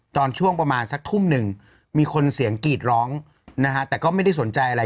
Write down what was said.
ตอนช่วงประมาณสักทุ่มหนึ่งมีคนเสียงกรีดร้องนะฮะแต่ก็ไม่ได้สนใจอะไร